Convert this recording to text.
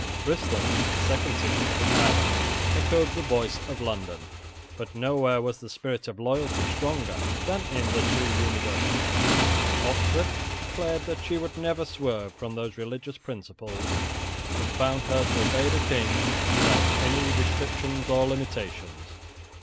Bristol, the second city of the island, echoed the voice of London. But nowhere was the spirit of loyalty stronger than in the two Universities. Oxford declared that she would never swerve from those religious principles which bound her to obey the King without any restrictions or limitations.